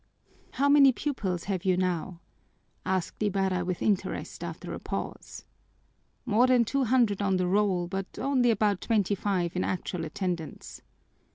"How many pupils have you now?" asked Ibarra with interest, after a pause. "More than two hundred on the roll but only about twenty five in actual attendance."